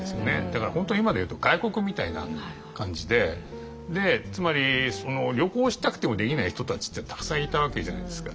だから本当に今でいうと外国みたいな感じで。でつまり旅行したくてもできない人たちってたくさんいたわけじゃないですか。